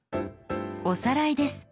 おさらいです。